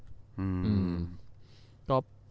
อืม